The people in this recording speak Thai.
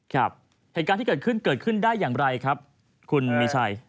เหตุการณ์ที่เกิดขึ้นได้อย่างไรครับคุณมิชัย